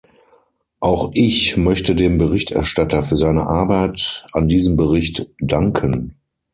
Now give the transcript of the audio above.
Auch ich möchte dem Berichterstatter für seine Arbeit an diesem Bericht danken.